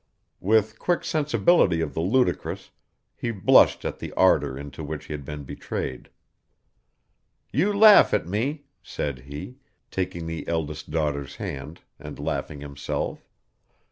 With quick sensibility of the ludicrous, he blushed at the ardor into which he had been betrayed. 'You laugh at me,' said he, taking the eldest daughter's hand, and laughing himself.